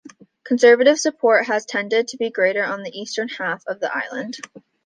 Conservative support has tended to be greater on the eastern half of the island.